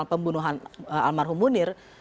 pembunuhan almarhum munir